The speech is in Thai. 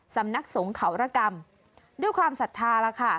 สำนักสงฆ์เขาระกรรมด้วยความศรัทธาแล้วค่ะ